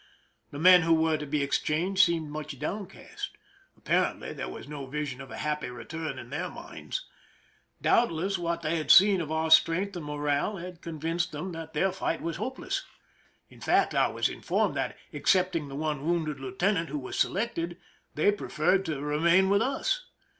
The men who were to be exchanged seemed much downcast. Apparently there was no vision of a happy return in their minds. Doubtless what they had seen of our strength and morale had convinced them that their fight was hopeless. In fact, I was informed that, excepting the one wounded lieutenant who was selected, they preferred to remain with us.